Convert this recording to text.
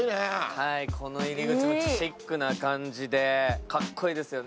この入り口もシックな感じで、かっこいいですよね。